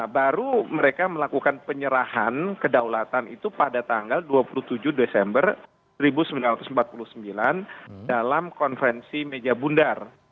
baru mereka melakukan penyerahan kedaulatan itu pada tanggal dua puluh tujuh desember seribu sembilan ratus empat puluh sembilan dalam konferensi meja bundar